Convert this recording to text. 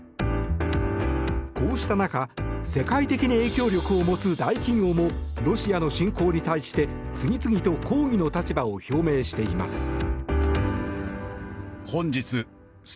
こうした中世界的に影響力を持つ大企業もロシアの侵攻に対して次々と抗議の立場を表明しています。